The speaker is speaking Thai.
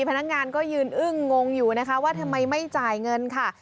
พนักงานก็ยืนอึ้งงงอยู่นะคะว่าทำไมไม่จ่ายเงินค่ะ